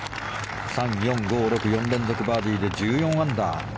３、４、５、６４連続バーディーで１４アンダー。